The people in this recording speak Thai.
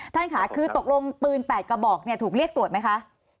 ท่านค่ะคือตกลงปืน๘กระบอกถูกเรียกตรวจไหมคะ